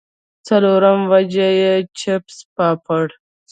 څلورمه وجه ئې چپس پاپړ